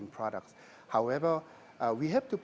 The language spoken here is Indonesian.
namun kita harus membuat lebih banyak